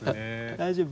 大丈夫？